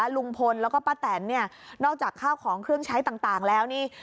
ลุงพลแล้วก็ป้าแตนเนี่ยนอกจากข้าวของเครื่องใช้ต่างแล้วนี่